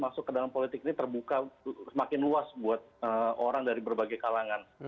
masuk ke dalam politik ini terbuka semakin luas buat orang dari berbagai kalangan